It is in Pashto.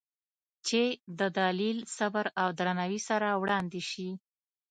چې د دلیل، صبر او درناوي سره وړاندې شي،